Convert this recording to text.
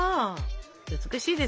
美しいですね。